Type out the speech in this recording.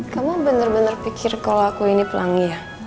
kamu bener bener pikir kalo aku ini pelangi ya